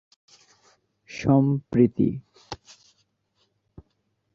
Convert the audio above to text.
দলে তিনি মূলতঃ স্লো লেফট-আর্ম অর্থোডক্স বোলার।